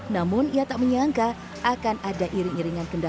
namun ia tak menyangka akan ada iring iringan kendaraan